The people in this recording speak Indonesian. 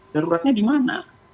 daruratnya di mana